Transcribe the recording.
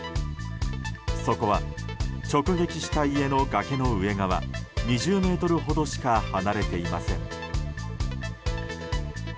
そこは、直撃した家の崖の上側２０ｍほどしか離れていません。